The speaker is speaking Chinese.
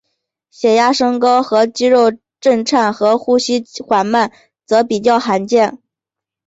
血压升高和肌肉震颤和呼吸减慢则较罕见。